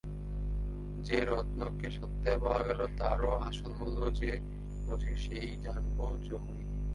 যে রত্নকে সস্তায় পাওয়া গেল তারও আসল মূল্য যে বোঝে সেই জানব জহুরি।